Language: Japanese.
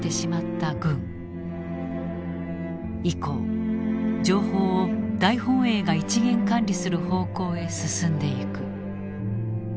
以降情報を大本営が一元管理する方向へ進んでいく。